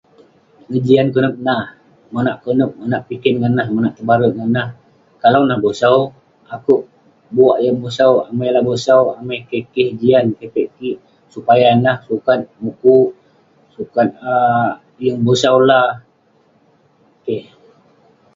Ngejian konep nah, monak konep monak piken ngan nah, monak tebare ngan nah. Kalau nah bosau, akouk buak yah bosau. Amai lah bosau, amai keh keh. Jian, keh piak kik. Supaya nah sukat mukuk, sukat um yeng bosau la. Keh.